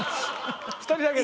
２人だけで。